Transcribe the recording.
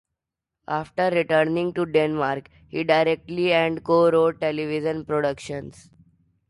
After returning to Denmark, he directed and co-wrote television productions.